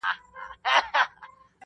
ترخه د طعن به غوځار کړي هله،